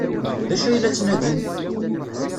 D acu ay la ttnadin?